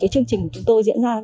chương trình của chúng tôi diễn ra